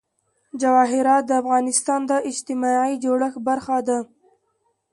جواهرات د افغانستان د اجتماعي جوړښت برخه ده.